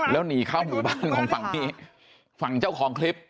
แล้วหนีเข้าหมู่บ้านของฝั่งนี้ฝั่งเจ้าของคลิป